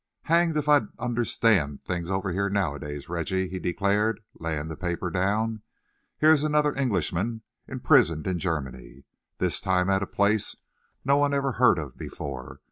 "Hanged if I understand things over here, nowadays, Reggie!" he declared, laying the paper down. "Here's another Englishman imprisoned in Germany this time at a place no one ever heard of before.